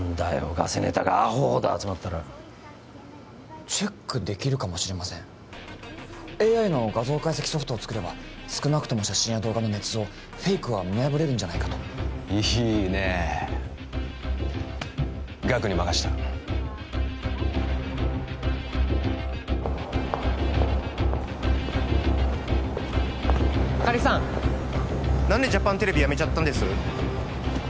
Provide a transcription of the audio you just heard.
ガセネタがアホほど集まったらチェックできるかもしれませんＡＩの画像解析ソフトを作れば少なくとも写真や動画のねつ造フェイクは見破れるんじゃないかといいねえガクに任したあかりさん何でジャパンＴＶ辞めちゃったんです？